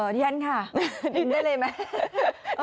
นี่แย่นค่ะดินได้เลยไหม